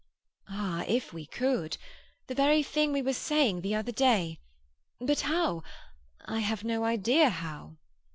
"Ah, if we could! The very thing we were saying the other day! But how? I have no idea how."